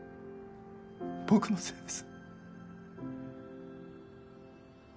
僕のせいです。